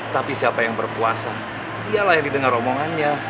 tapi siapa yang berpuasa ialah yang didengar omongannya